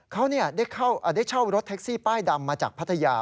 เขาได้เช่ารถแท็กซี่ป้ายดำมาจากพัทยา